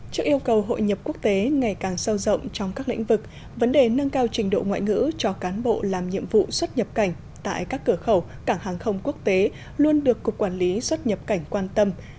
trước yêu cầu hội nhập quốc tế ngày càng sâu rộng trong các lĩnh vực vấn đề nâng cao trình độ ngoại ngữ cho cán bộ làm nhiệm vụ xuất nhập cảnh tại các cửa khẩu cảng hàng không quốc tế luôn được cục quản lý xuất nhập cảnh quan tâm